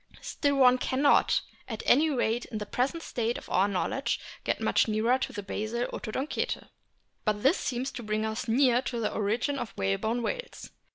Still one cannot, at any rate in the present state of our knowledge, get much nearer to the basal Odontocete. But this seems to bring us no nearer to the origin of the whalebone whales.